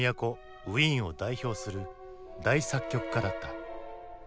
ウィーンを代表する大作曲家だった。